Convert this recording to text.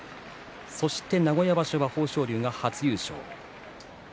そして名古屋場所は豊昇龍が初優勝。